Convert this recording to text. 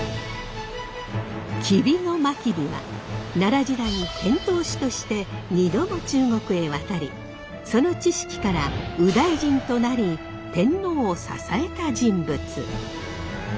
吉備真備は奈良時代遣唐使として２度も中国へ渡りその知識から右大臣となり天皇を支えた人物。